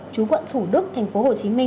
trú quận thủ đức tp hcm